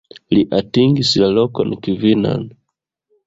Li atingis la lokon kvinan.